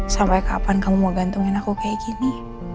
sampai kapan kamu mau gantengin aku kayak gini